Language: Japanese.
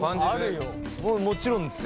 もちろんですよ。